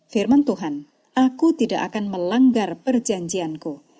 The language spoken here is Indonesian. firman tuhan aku tidak akan melanggar perjanjianku